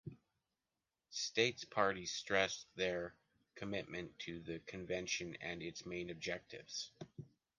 States parties stressed their commitment to the Convention and its main objectives.